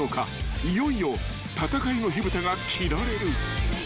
［いよいよ戦いの火ぶたが切られる］